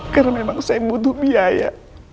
karena memang saya butuh biaya